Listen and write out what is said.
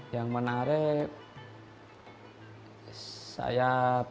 yang menarik saya